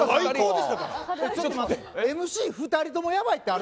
ＭＣ２人ともやばいってある。